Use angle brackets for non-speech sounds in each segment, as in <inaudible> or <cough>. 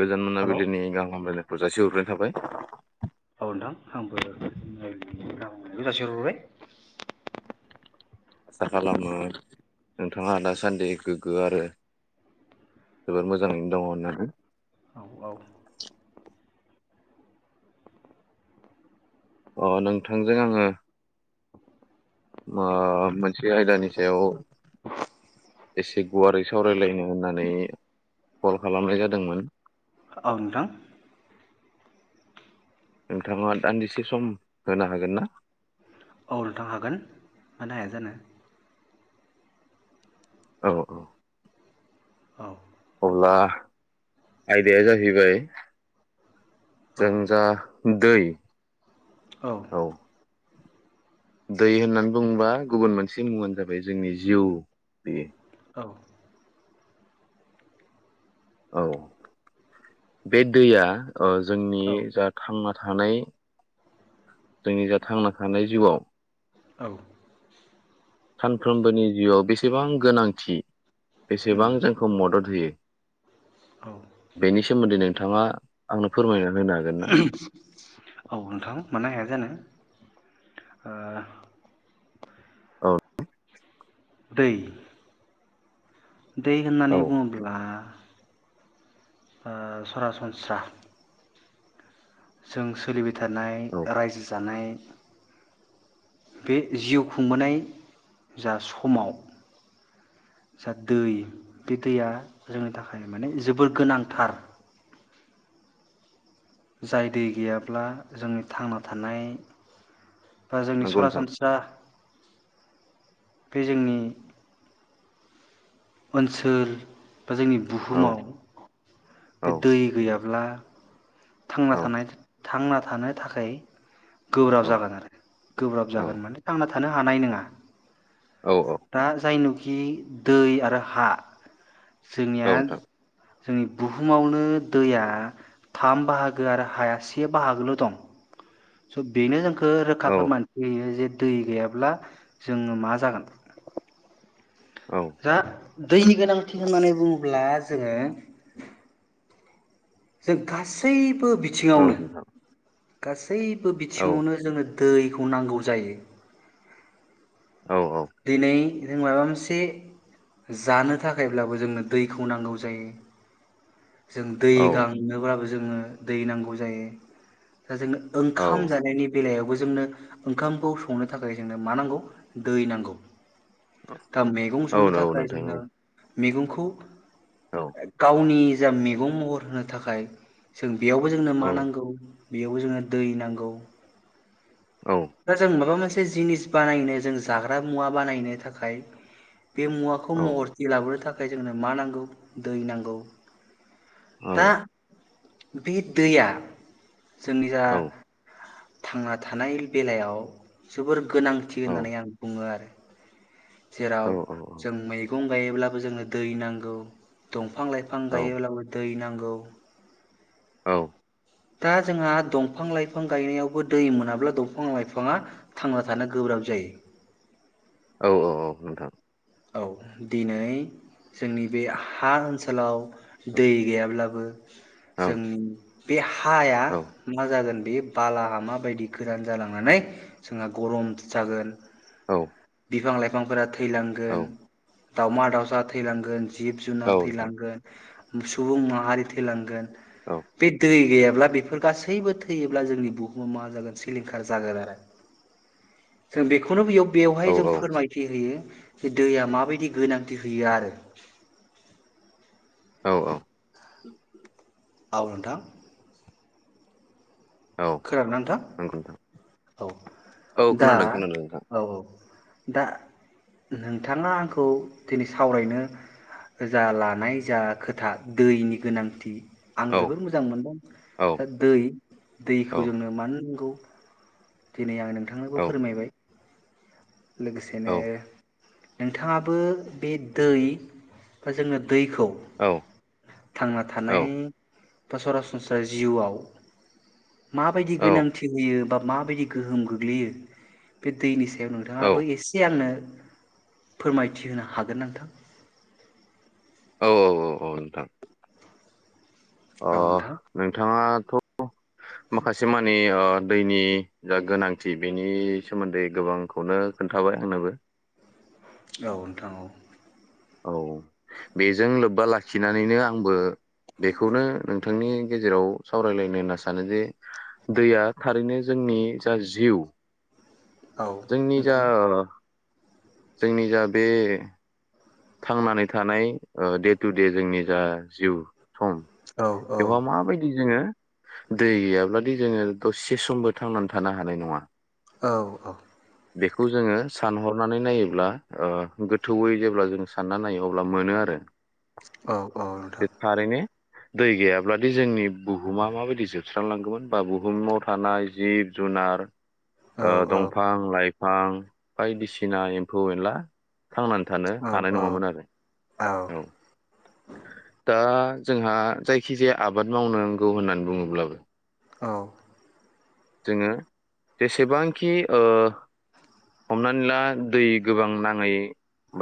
गोजोन हेलौ मोनाबिलिनि गाहाम हामलाय ब जासि हरनाय थाबाय औ नोंथां आंबो गाहाम हामलायनाय जासिहरग्रोबाय आसा खालामो नोंथाङा दासान्दि गोग्गो आरो जोबोद मोजाङैनो दङ होननानै। औ औ अ नोंथांजों आङो म मोनसे आयदानि सायाव एसे गुवारै सावरायलायनो होननानै कल खालामनाय जादोंमोन। औ नोंथां। नोंथाङा दान्दिसे सम होनो हागोन ना? औ नोंथां हागोन मानो हाया जानो? औ औ औ अब्ला आयदाया जाहैबाय औ जों जा दै औ दै होननानै बुङोबा गुबुन मोनसे मुङानो जाबाय जोंनि जिउ। बे औ औ बे दैया ओ जोंनि औ जा थांना थानाय। जोंनि जा थांना थानाय जिउआव औ सानफ्रोमबोनि जिउआव बेसेबां गोनांथि उम बेसेबां जोंखौ मदद होयो औ बेनि सोमोन्दै नोंथाङा आंनो फोरमायना होनो औ नोंथां मानो हा या जानो। औ दै दै होननानै बुङोब्ला ओ सरासनस्रा जों सोलि थानाय रायजो जानाय बे जिउ खुंबोनाय जा समाव जा दै बे दैया जोंनि थाखाय माने जोबोर गोनांथार। जाय दै गैयाब्ला जोंनि थांना थानाय बा जोंनि हागोन ना सरासनस्रा बे जोंनि ओनसोल बा जोंनि औ बुहुमाव औ नंगौ नोंथां औ बे दै गैयाब्ला थांना औ थानाय थांना थानो थाखाय गोब्राब जागोन आरो औ गोब्राब औ जागोन माने थांना थानो। हानाय नोङा औ <inaudible> दा जायनु दि आरो दै आरो हा औ जोंनिया नोंथां जोंनि बुहुमावनो दैया थाम बाहागो आरो हाया से बाहागोल' दं स बेनो जा फो रोखा औ फोरमान होयो जे दै गैयाब्ला जोङो मा जागोन औ जा दैनि गोनांथि होननानै बुङोब्ला जोङो जों गासै बो औ बिथिङावनो नोंथां गास सैबो औ बिथिङावनो जोङो दैखौ नांगौ जायो औ दिनै बिजों माबा मोनसे जानो थाखायब्लाबो जोंनो दैखौ नांगौ जायो जों दै औ गांनोबाबो जोङो दै नांगौ जायो दा जों औ ओंखाम जानायनि बेलायावबो जोंनो ओंखामखौ संनो थाखाय जोंनो मा नांगौ दै नांगौ दा मैगं औ संनो औ थाखाय नोंथां औ जोंनो मैगंखौ औ <inaudible> गावनि <unintelligible> मेगं महर होनो थाखाय जों बेयावबो जोंनो मा औ नांगौ बेयाव जोङो दै नांगौ औ दा जों माबा मोनसे मोनसे जिनिस बानायनो जों जाग्रा मुवा बानायनो थाखाय बे मुवाखौ औ महरथि लाबोनो थाख ओखाय जोंनो मा नांगौ दै नांगौ औ दा बे दैया जोंनि जा थांना थानाय बेलायाव जोबोर गोनांथि होननानै आं बुङो आरो। जेराव औ औ जों मै गं गायोब्लाबो जोंनो दै नांगौ दं फां लाइफां गायोब्लाबो दै नां गौ औ दा जोंहा दंफां लाइफां गायनायावबो दै मोनाब्ला दंफां लाइफाङा थांना थानो गोब्राब जायो। औ औ औ नोंथां औ दिनै जोंनि बे हा ओनसोलाव औ दै गैयाब्लाबो औ जोंनि बे हा हाया मा जागोन बे बालाहामा बायदि गोरान जालांनानै जोंहा गरम जागोन औ बिफां लाइफांफोरा औ औ थैलांगोन दावमा दावसा थैलांगोन जिब औ जुनार नोंथां थैलांगोन सुबुं माहारि थैलांगोन औ बि दै गैया ब्ला बेफोर गासैबो थैयोब्ला जोंनि बुहुमा मा जागोन सिलिंखार जागोन आरो जों बेखौनो बैयाव बेयाव औ जों औ फोरमायथि होयो जे दैया माबायदि गोनांथि होयो आरो। औ औ आव नोंथां। औ खोनादों ना नोंथां नंगौ नोंथां औ औ दा खोनादों खोनादों नोंथां औ औ दा नोंथाङा आंखौ दिनै सावरायनो जा लानाय जा खोथा दैनि गोनांथि आं औ जोबोर मोजां मोनदों औ दा दै दैखौ औ जोंनो मानो नांगौ दिनै आं नों औ थाङाबो फोरमायबाय लोगोसेनो औ नोंथाङाबो बे दैखौ जोंङो दैखौ औ थांना औ थानाय दा सरासनस्रा जिउआव माबायदि गोनांथि होयो बाब माबायदि गोहोम गोग्लैयो बे दैनि सा नोंथांङाबो एसे आंनो फोरमायथि होनो हागोन नोंथां औ औ औ औ नोंथां अ नोंथां नोंथाङा थ माखासे मानि दैनि जा गोनांथि बेनि सोमोन्दै गोबांखौनो खोन्थाबाय आंनोबो औ नोंथां औ औ बेजों लोब्बा लाखिनानैनो आंबो बेखौनो नोंथांनि गेजेराव सावरायलायनो होनना सानो जे दैया थारैनो जोंनि जा जिउ औ जोंनि जा नोंथां जोंनि जा बे थांनानै थानाय दे टु दे जोंनि जा जिउ सम औ औ बेवहाय माबायदि जोंङो दै गैयाब्लादि जोंङो दसे समबो थांनानै थानो हानाय नंङा औ औ बेखौ जोंङो सानहरनानै नायोब्ला गोथौयै जेब्ला जों सानना नायो अब्ला मोनो आरो औ औ बे नोंथां थारैनो दै गैयाब्लादि जोंनि बुहुमा माबायदि जोबस्रांलांगौमोन बा बुहुमाव थानाय जिब जुनार ओ दंफां लाइ हां बायदिसिना एम्फौ एनला थांनानै था औ नोंथां औ हानाय नंङामोन आरो औ औ दा जोंहा जायखि जाया आबाद मावनांगौ होननानै बुंङोब्लाबो औ जोंङो जेसेबांखि ओ हमनानै ला दै गोबां नांङै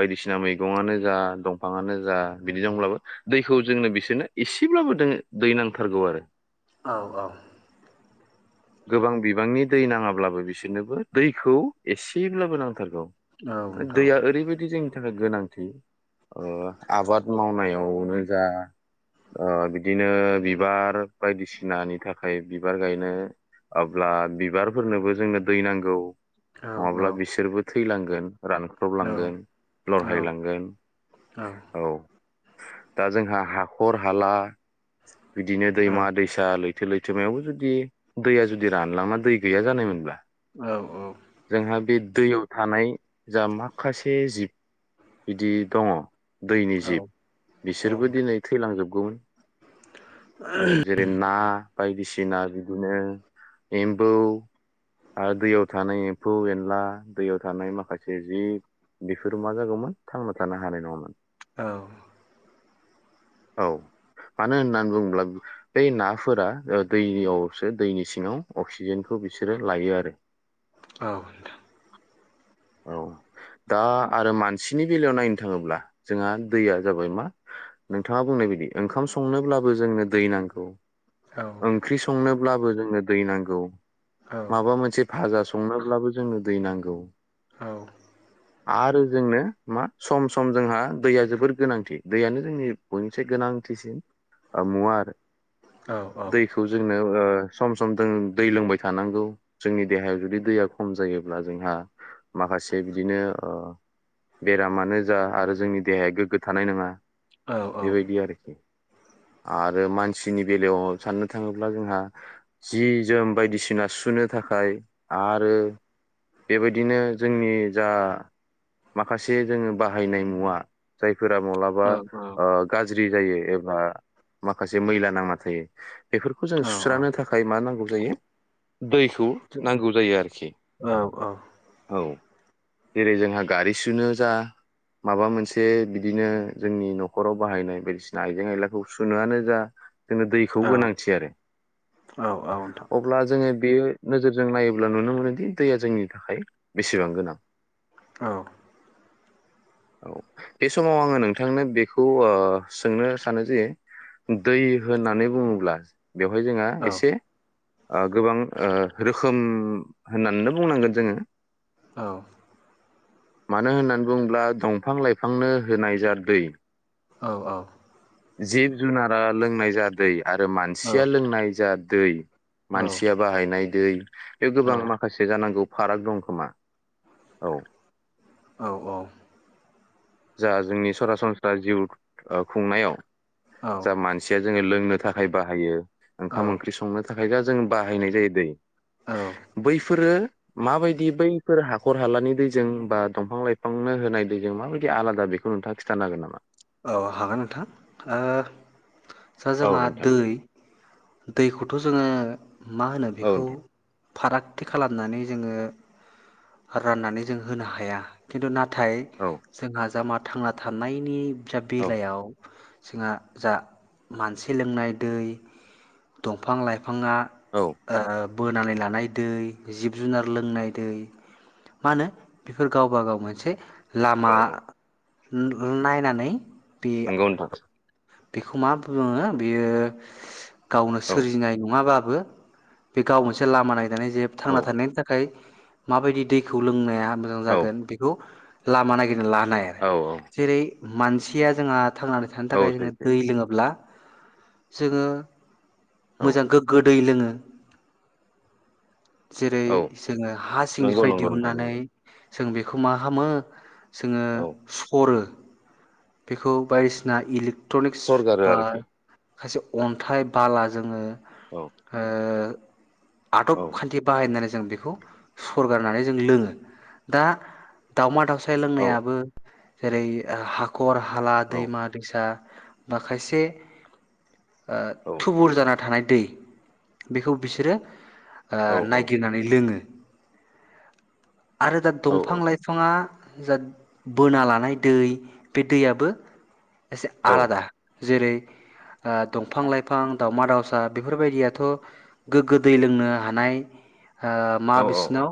बायदि सिना मैगंआनो जा दंफाङानो जा बिदिजोंब्लाबो दैखौ जोंनो बिसोरनो एसेब्लाबोदोङो दै नांथारगौ आरो। औ औ गोबां बिबांनि दै नांङाब्लाबो बिसोरनोबो दैखौ एसेब्लाबो नांथारगौ। नोंथां दैया ओरैबायदि जों बिनि थाखाय गोनांथि आबाद ओ मावनायावनो जा ओ बिदिनो बिबार बायदिसिनानि थाखाय बिबार गायनो अब्ला बिबारफोरनोबो जोंनो दै नांगौ। नंङाब्ला औ बिसोरबो थैलांगोन। औ रानख्रबलांगोन लरहायलांगोन औ। दा जोंहा हाखर हाला। बिदिनो दैमा दैसा लैथ लैथो लैथोमायावबो जुदि दैया जुदि रानलाङा दै गैया जानायमोनब्ला औ औ। जोंहा बे दैयाव थानाय जा माखासे जिब बिदि दङ। दैनि औ जिब बिसोरबो दिनै थैलांजोब गुबुन। औ जेरै ना। बायदिसिना बिदिनो एम्बौ, आरो दैयाव थानाय एम्फौ एनला, दैयाव थानाय माखासे जिब बेफोर मा जागौमोन? थांना थानो हानाय नङामोन। औ। औ मानो होनना बुङोब्ला? बै नाफोरा ओ दैयावसो दैनि सिङाव अक्सिजेनखौ बिसोरो लायो आरो। औ। औ दा आरो मान सिनि बेलायाव नायनो थाङोब्ला, जोंहा दैया जाबाय मा नोंथाङा बुंनाय बायदि। ओंखाम संनोब्लाबो जोंनो दै नांगौ। ओंख्रि संनो अब्लाबो जोंनो दै नांगौ। औ औ माबा मोनसे भाजा स संनोब्लाबो जोंनो दै नांगौ। औ। आरो जोंनो मा सम सम जोंहा दैया जोबोर गोनांथि, दैयानो जोंनि बयनिसाय गोनांथिसिन मुवा आरो। औ दैखौ जोंनो ओ सम सम दों दै लोंबाय थानांगौ, जोंनि देहायाव जुदि दैया खम जायोब्ला जोंहा माखासे बिदिनो ओ बेरामानो जा आरो जोंनि देहाया गोग्गो थानाय नङा। औ बेबायदि आरोखि। आरो मानसिनि बेलायाव साननो थाङोब्ला जोंहा जि जोम बायदिसिना सुुनो थाखाय आरो बेबायदिनो जोंनि जा। माखासे जोङो बाहायनाय मुवा जाय फोरा मलाबा ओ गाज्रि जायो। एबा माखासे मैला नांना थायो। बेफोरखौ जों औ सुस्रानो थाखाय मा नांगौ? जायो दैखौ नांगौ जायो आरोखि। औ जेरै जोंहा गारि सुनो जा, माबा मोनसे बिदिनो जोंनि न'खराव बाहायनाय बायदिसिना आइजें आयलाखौ सुनोआनो जा। जोंनो दैखौ औ गोनांथि, आरो औ औ नोंथां अब्ला जोङो बेयो नोजोरजों नायोब्ला नुनो मोनोदि दैया जोंनि थाखाय बेसेबां गोनां। औ औ बे समाव आङो नोंथांनो बेखौ सोंनो सानो जे दै होननानै बुङोब्ला बेवहाय औ जोंहा एसे ओ गोबां ओ रोखोम होननानैनो बुंनांगोन जोङो। औ मानो होननानै बुङोब्ला दंफां लाइफांनो होनाय जा दै औ औ जिब जुनारा लोंनाय जा दै। आरो मानसिया लोंनाय जा दै मानसिया बाहायनाय दै। बे गोबां माखासे जानांगौ। फाराग दं। खोमा औ औ औ जा जोंनि सरासनस्रा जिउ ओ खुंनायाव जा मानसि जोङो लोंनो थाखाय बाहायो। औ ओखाम ओंख्रिं संनो थाखाय दा जों बाहायनाय जायो दै औ बैफोरो माबायदि बैफोर हाखर हालानि दैजों बा दंफां लाइफांनो होनाय दैजों माबायदि आलादा बेखौ नोंथाङा खिथानो हागोन नामा? औ हागोन नोंथां ओ सा औ जोंहा नोंथां दै दैखौथ' जोङो मा होनो औ बेखौ? नोंथां फारागथि खालामनानै जोङो राननानै जों होनो हाया खिन्थु ना थाय औ जोंहा जाम थांना थानायनि जा औ बेलायाव जोंहा जा मानसि लोंनाय दै दंफां लाइफ फांआ औ ओ बोनानै लानाय दै जिब जुनार लोंनाय दै मा होनो बेफोर गावबा गाव मोनसे औ लामा। औ उम उम नायनानै बे नंगौ नोंथां। बेखौ मा बुङो बेयो गावनो औ सोरजिनाय नङाबा बो बे गाव मोनसे लामा नाय नानै जे औ थांना थानायनि थाखाय माबायदि दैखौ लोंनाया मोजां औ जागोन बेखौ लामा नागिरना ला नाय आरो। औ औ जेरै मानसिया जोंहा थांनानै थानो थाखाय औ सैथो जोङो अब्ला जोङो औ मोजां गोग्गो दै लोङो। जेरै औ जोङो हा नंगौ सिंनिफ्राय नंगौ नोंथां दिहुननानै नंगौ जों बेखौ मा खामो जोङो औ सरो बेखौ बायदिसिना इलिक ट्रनिक्स सरगारो बा आरोखि खायसे अन्थाइ बाला जोङो औ ओ औ आदब खान्थि बाहायनानै जो जों बेखौ सरगारनानै जों लोङो। दा दाावमा दाउसा औ लोंनायाबो जेरै हा खर हाला, औ दैमा दैसा माखायसे ओ औ थुबुर जाना थानाय दै बेखौ बिसोरो ओ औ औ नायगिरनानै लोङो। आरो दा औ दंफां लाइफाङा जा बोना लानाय दै बे दैयाबो एसे आलादा। जेरै दंफां लाइफां दाावमा दाउसा बेफोरबायदियाथ' गोग्गो दै लोंनो हानाय ओ मा औ बिसिनाव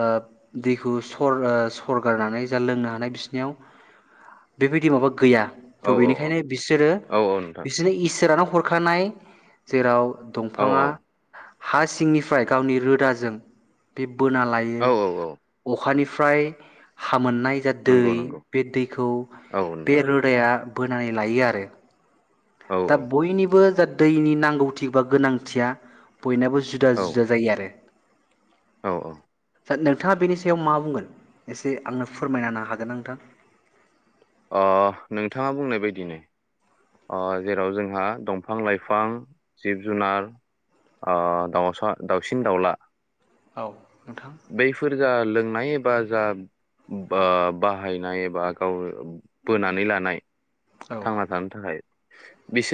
ओ दैखौ सर--सरगारनानै जेन लोंनो हानाय बिसनियाव बेबायदि माबा गैया औ थ' बेनिखायनो बिसोरो औ नोंथां बिसोरनो इसोरानो हरखानाय जेराव औ दंफाङा हा सिंनिफ्राय गावनि रोदाजों बे बोना औ औ औ लायो अखानि फ्राय मोननाय जा दै नंगौ नंगौ बे दैखौ औ नोंथां दा बोनानै लायो आरो औ दा बयनिबो जा दैनि नांगौथि बा गोनांथिया बयनाबो जुदा औ जुदा जायो आरो औ औ नोंथाङा बेनि सायाव मा बुंगोन एसे आंनो फोरमायनाांनो हागोन नोंथां अ नोंथाङा बुंनाय बदिनो ओ जेराव जोंहा दंफां लाइफां जिब जुनार ओ दाउसा दाउसिन दाउला औ नोंथां बैफोर जा लोंनाय बा जा बा हायनाय एबा गाव बोनानै लानाय औ थांना थानो बिसे